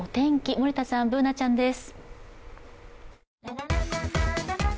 森田さん、Ｂｏｏｎａちゃんです。